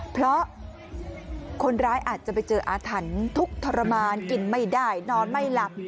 เพราะคนร้ายอาจจะไปเจออาถรรพ์ทุกข์ทรมานกินไม่ได้นอนไม่หลับ